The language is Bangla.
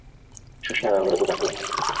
শশী আগাগোড়া দুজনকে লক্ষ করিয়াছিল।